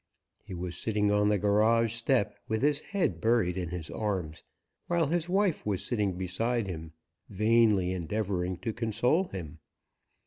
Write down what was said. He was sitting on the garage step with his head buried in his arms, while his wife was sitting beside him, vainly endeavouring to console him.